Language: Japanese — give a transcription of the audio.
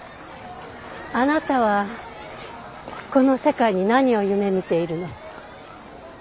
あなたはこの世界に何を夢みているの？